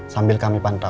sambil kami pantau